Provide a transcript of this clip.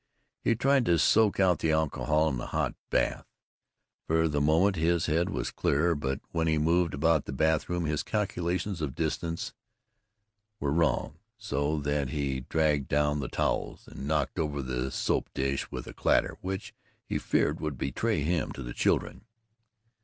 He tried to soak out the alcohol in a hot bath. For the moment his head was clearer but when he moved about the bathroom his calculations of distance were wrong, so that he dragged down the towels, and knocked over the soap dish with a clatter which, he feared, would betray him to the children.